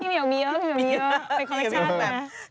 นี่มีของเบี้ยวมีของฉันแหละ